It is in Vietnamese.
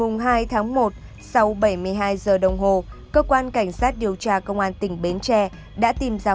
ngày hai tháng một sau bảy mươi hai giờ đồng hồ cơ quan cảnh sát điều tra công an tỉnh bến tre đã tìm ra